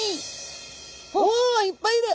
おいっぱいいる！